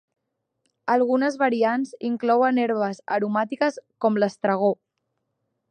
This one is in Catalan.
Algunes variants inclouen herbes aromàtiques com l'estragó.